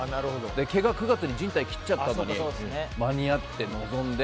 けが９月に靭帯切っちゃったのに間に合って臨んで。